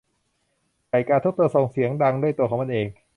ไก่กาทุกตัวส่งเสียงดังด้วยตัวของมันเอง